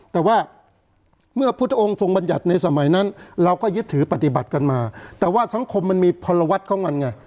แต่ว่าเมื่อพุทธองค์ทรงบัญญัติในสมัยนั้นเราก็ยึดถือปฏิบัติกันมาแต่ว่าสังคมมันมีพลวัตรของมันไง